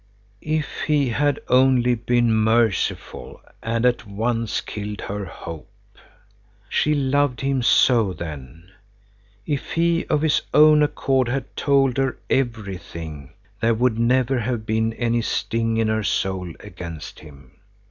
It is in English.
If he had only been merciful and at once killed her hope. She loved him so then. If he of his own accord had told her everything, there would never have been any sting in her soul against him.